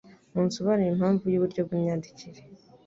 Munsobanurire impamvu y'uburyo bw'imyandikire